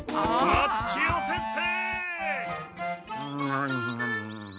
・松千代先生！